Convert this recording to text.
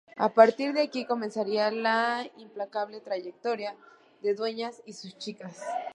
A partir de aquí comenzaría la implacable trayectoria de Dueñas y de sus chicas.